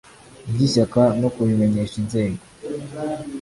by ishyaka no kubimenyesha inzego